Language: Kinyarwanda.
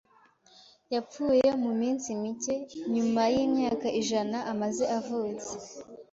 Yapfuye mu minsi mike nyuma yimyaka ijana amaze avutse.